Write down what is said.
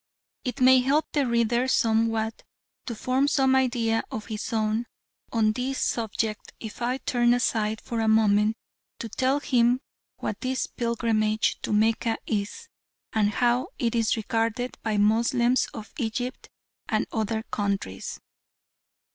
It may help the reader somewhat to form some idea of his own on this subject if I turn aside for a moment to tell him what this pilgrimage to Mecca is, and how it is regarded by the Moslems of Egypt and other countries.